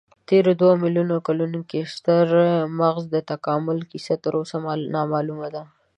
تېرو دوو میلیونو کلونو کې د ستر مغز د تکامل کیسه تراوسه نامعلومه ده.